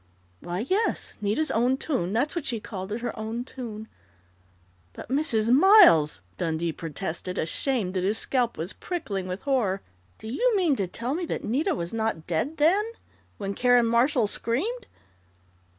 "Why, yes Nita's own tune. That's what she called it her own tune " "But, Mrs. Miles," Dundee protested, ashamed that his scalp was prickling with horror, "do you mean to tell me that Nita was not dead then when Karen Marshall screamed?"